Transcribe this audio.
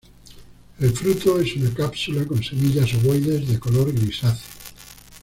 El fruto es una cápsula con semillas ovoides, de color grisáceo.